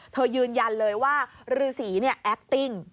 ยืนยันเลยว่าฤษีแอคติ้ง